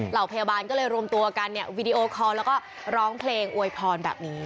พยาบาลก็เลยรวมตัวกันเนี่ยวีดีโอคอลแล้วก็ร้องเพลงอวยพรแบบนี้